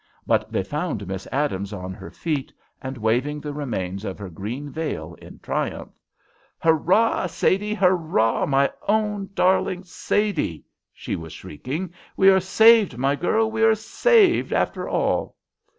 But they found Miss Adams on her feet, and waving the remains of her green veil in triumph. "Hurrah, Sadie! Hurrah, my own darling Sadie!" she was shrieking. "We are saved, my girl, we are saved after all."